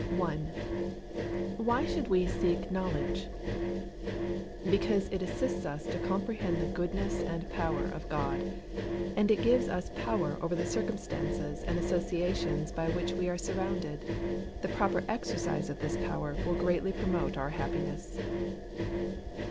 1. Why should we seek knowledge? Because it assists us to comprehend the goodness and power of God. And it gives us power over the circumstances and associations by which we are surrounded: the proper exercise of this power will greatly promote our happiness.